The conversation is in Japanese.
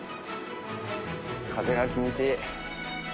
風が気持ちいい。